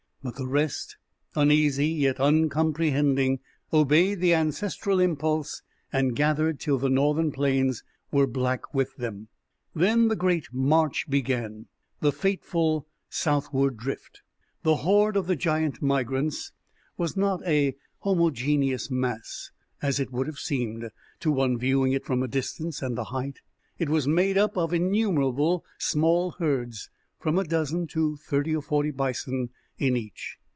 But the rest, uneasy, yet uncomprehending, obeyed the ancestral impulse and gathered till the northern plains were black with them. Then the great march began, the fateful southward drift. The horde of the giant migrants was not a homogeneous mass, as it would have seemed to one viewing it from a distance and a height. It was made up of innumerable small herds, from a dozen to thirty or forty bison in each.